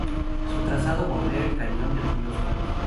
Su trazado bordea el cañón del río Suárez.